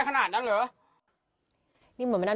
พูดเหมือนเดิมคือพูดอะไร